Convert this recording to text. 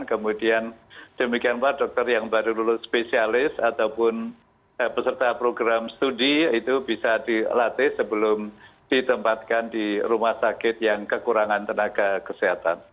kemudian demikian pula dokter yang baru lulus spesialis ataupun peserta program studi itu bisa dilatih sebelum ditempatkan di rumah sakit yang kekurangan tenaga kesehatan